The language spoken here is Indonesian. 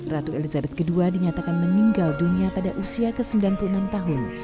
ratu elizabeth ii dinyatakan meninggal dunia pada usia ke sembilan puluh enam tahun